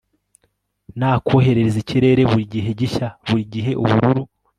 Nakohereza ikirere burigihe gishya burigihe ubururu